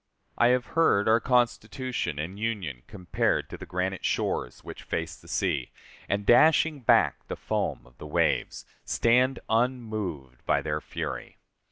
I have heard our Constitution and Union compared to the granite shores which face the sea, and, dashing back the foam of the waves, stand unmoved by their fury.